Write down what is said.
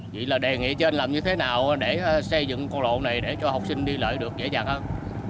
vậy là đề nghị cho anh làm như thế nào để xây dựng con lỗ này để cho học sinh đi lợi được dễ dàng hơn